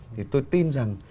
thì tôi tin rằng